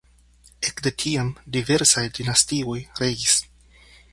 Ekde tiam diversaj dinastioj regis.